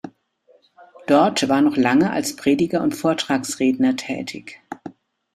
Dort war noch lange als Prediger und Vortragsredner tätig.